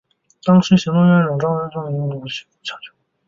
当时行政院长刘兆玄指示环保署副署长邱文彦与文建会协助抢救。